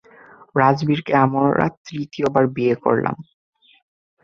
রাজবীরকে আমরা তৃতীয়বার বিয়ে করালাম।